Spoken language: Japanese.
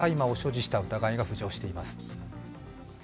部員が共同で大麻を所持した疑いが浮上しています。